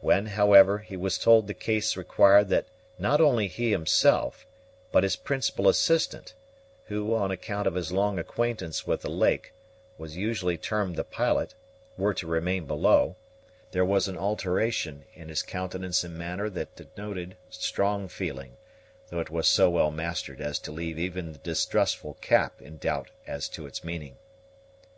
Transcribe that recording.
When, however, he was told the case required that not only he himself, but his principal assistant, who, on account of his long acquaintance with the lake, was usually termed the pilot, were to remain below, there was an alteration in his countenance and manner that denoted strong feeling, though it was so well mastered as to leave even the distrustful Cap in doubt as to its meaning.